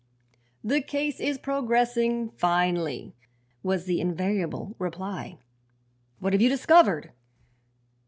"The case is progressing finely," was the invariable reply. "What have you discovered?"